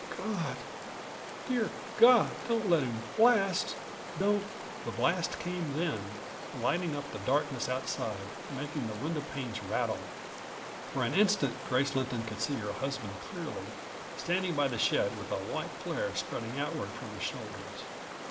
God, dear God, don't let him blast. Don't " The blast came then, lighting up the darkness outside, making the windowpanes rattle. For an instant Grace Lynton could see her husband clearly, standing by the shed with a white flare spreading outward from his shoulders.